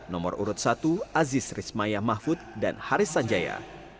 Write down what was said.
nomor urut satu aziz rismaya mahfud dan haris sanjaya